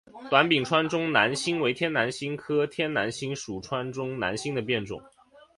短柄川中南星为天南星科天南星属川中南星的变种。